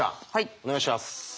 お願いします。